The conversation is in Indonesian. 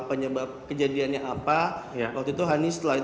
tindakan dari pihak rumah sakit